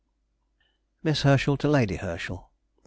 _] MISS HERSCHEL TO LADY HERSCHEL.